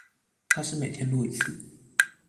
他是每天錄一次